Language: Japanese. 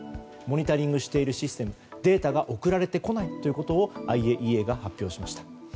モニタリングしているシステムデータが送られてこないということをＩＡＥＡが発表しました。